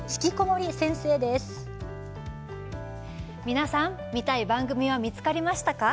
皆さん見たい番組は見つかりましたか？